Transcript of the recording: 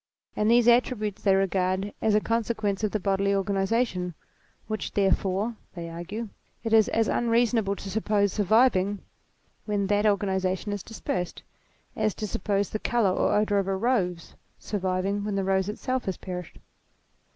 and these attributes they regard as a consequence of the bodily organization, which therefore, they argue, it is as unreasonable to suppose surviving when that organization is dispersed, as to suppose the colour or odour of a rose surviving when the rose itself has perished.